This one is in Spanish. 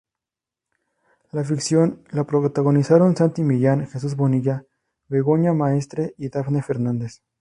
La ficción la protagonizaron Santi Millán, Jesús Bonilla, Begoña Maestre y Dafne Fernández.